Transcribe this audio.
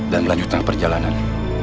dan melanjutkan perjalanan